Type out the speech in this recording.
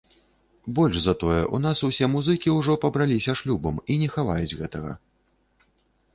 Больш за тое, у нас усе музыкі ўжо пабраліся шлюбам і не хаваюць гэтага.